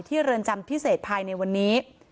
เรือนจำพิเศษภายในวันนี้